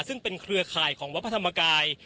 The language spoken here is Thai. ซึ่งเป็นเครือข่ายของวัดพระธรรมกาย